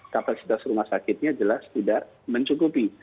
kapasitas rumah sakitnya jelas tidak mencukupi